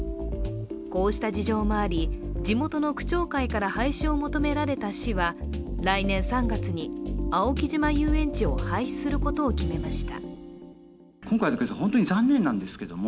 こうした事情もあり、地元の区長会から廃止を求められた市は、来年３月に青木島遊園地を廃止することを決めました。